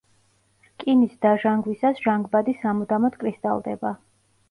რკინის დაჟანგვისას, ჟანგბადი სამუდამოდ კრისტალდება.